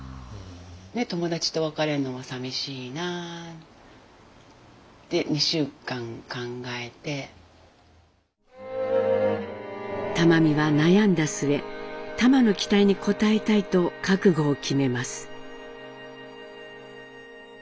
友達と別れるのもさみしいなぁって玉美は悩んだ末タマの期待に応えたいと覚悟を決めます。